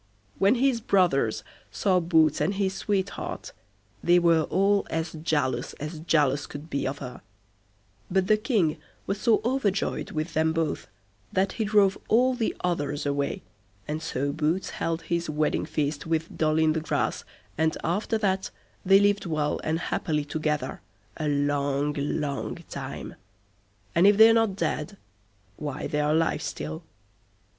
When his brothers saw Boots and his sweetheart, they were all as jealous as jealous could be of her; but the King was so overjoyed with them both, that he drove all the others away, and so Boots held his wedding feast with Doll i' the Grass, and after that they lived well and happily together a long long time, and if they're not dead, why they're alive still.